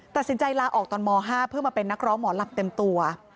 ตัดสินใจลาออกตอนม๕เพื่อมาเป็นนักร้องหมอลำเต็มตัว